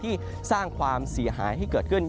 ที่สร้างความเสียหายให้เกิดขึ้น